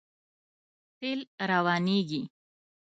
تېل روانېږي.